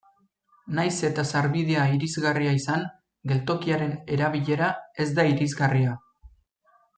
Nahiz eta sarbidea irisgarria izan, geltokiaren erabilera ez da irisgarria.